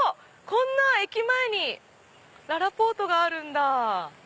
こんな駅前にららぽーとがあるんだ。